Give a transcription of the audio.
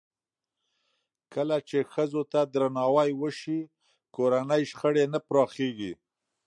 کله چې ښځو ته درناوی وشي، کورني شخړې نه پراخېږي.